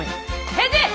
返事！